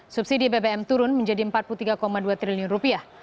subsidi bbm turun menjadi empat puluh tiga dua triliun rupiah